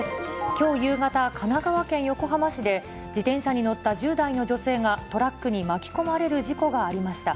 きょう夕方、神奈川県横浜市で、自転車に乗った１０代の女性が、トラックに巻き込まれる事故がありました。